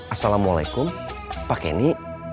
assalamualaikum pak kenny